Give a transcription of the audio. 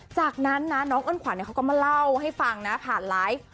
จากนั้นนะน้องเอิ้นขวัญเขาก็มาเล่าให้ฟังนะผ่านไลฟ์